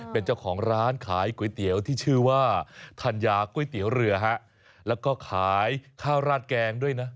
เป็นเจ้าของร้านขายก๋วยเตี๋ยวที่ชื่อว่าธัญญาก๋วยเตี๋ยวเรือฮะแล้วก็ขายข้าวราดแกงด้วยนะ